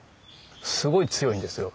すごい強いんですよ。